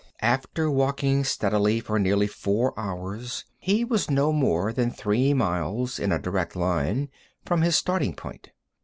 After walking steadily for nearly four hours he was no more than three miles in a direct line from his starting point.